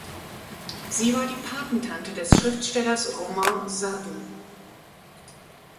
Sie war die Patentante des Schriftstellers Romain Sardou.